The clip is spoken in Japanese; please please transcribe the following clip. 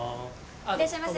いらっしゃいませ。